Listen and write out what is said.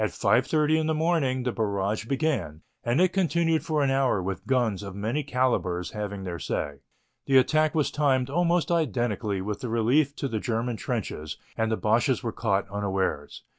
30 in the morning the barrage began and it continued for an hour with guns of many calibres having their say. The attack was timed almost identically with the relief in the German trenches and the Boches were caught unawares.